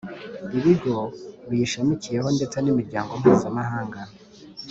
Ibigo biyishamikiyeho ndetse n’Imiryango Mpuzamahanga